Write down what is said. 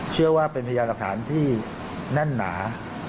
เชื่อว่าเป็นพยานหลักฐานที่แน่นหนา